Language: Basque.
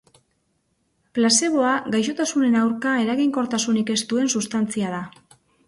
Plazeboa gaixotasunen aurka eraginkortasunik ez duen substantzia da.